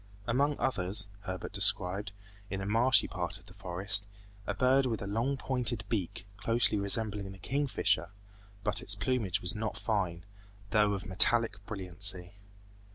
Among others, Herbert described, in a marshy part of the forest, a bird with a long pointed beak, closely resembling the king fisher, but its plumage was not fine, though of a metallic brilliancy.